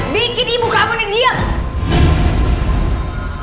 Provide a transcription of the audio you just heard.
bikin ibu kamu nih diam